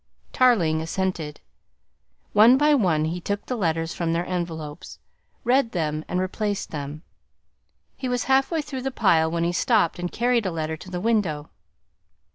Tarling assented. One by one he took the letters from their envelopes, read them and replaced them. He was half way through the pile when he stopped and carried a letter to the window.